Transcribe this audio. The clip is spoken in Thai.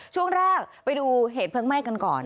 ช่วงแรกไปดูเหตุเวลถูกผลงใหม่กันก่อน